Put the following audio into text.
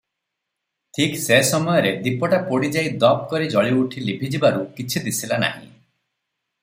ଠିକ୍ ସେ ସମୟରେ ଦୀପଟା ପୋଡ଼ିଯାଇ ଦପ୍ କରି ଜଳିଉଠି ଲିଭିଯିବାରୁ କିଛି ଦିଶିଲା ନାହିଁ ।